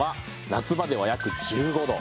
夏場では約１５度。